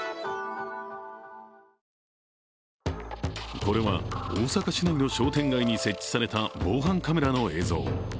これは大阪市内の商店街に設置された防犯カメラの映像。